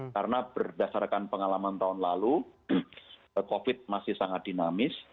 karena berdasarkan pengalaman tahun lalu covid masih sangat dinamis